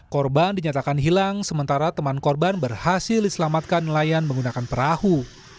korban dinyatakan hilang sementara teman korban berhasil diselamatkan nelayan menggunakan perahu